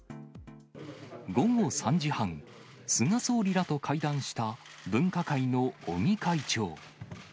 午後３時半、菅総理らと会談した分科会の尾身会長。